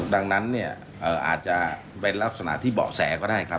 ดังนั้นเนี่ยอาจจะเป็นลักษณะที่เบาะแสก็ได้ครับ